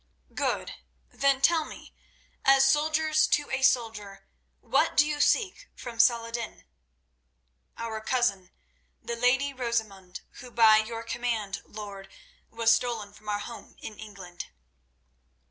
"Good. Then tell me, as soldiers to a soldier, what do you seek from Salah ed din?" "Our cousin, the lady Rosamund, who, by your command, lord, was stolen from our home in England."